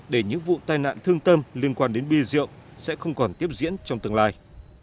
để những vụ tai nạn thương tâm liên quan đến bia rượu sẽ không còn tiếp diễn trong tương lai